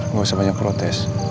gak usah banyak protes